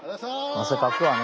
汗かくわね